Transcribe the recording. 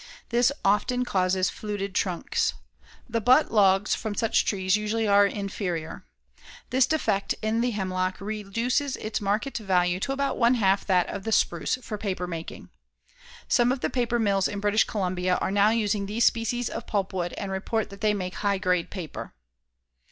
This often causes fluted trunks. The butt logs from such trees usually are inferior. This defect in the hemlock reduces its market value to about one half that of the spruce for paper making. Some of the paper mills in British Columbia are now using these species of pulpwood and report that they make high grade paper.